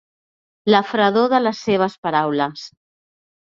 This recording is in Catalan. La fredor de les seves paraules.